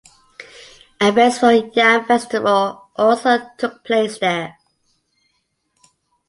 Events for Yam Festival also took place there.